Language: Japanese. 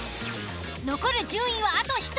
残る順位はあと１つ。